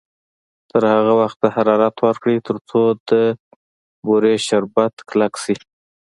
تر هغه وخته حرارت ورکړئ تر څو د بورې شربت کلک شي.